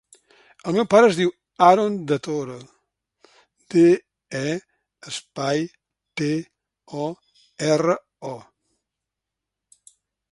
El meu pare es diu Aron De Toro: de, e, espai, te, o, erra, o.